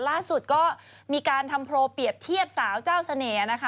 ล่าสุดก็มีการทำโพลเปรียบเทียบสาวเจ้าเสน่ห์นะคะ